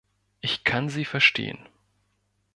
Ich kann sie verstehen.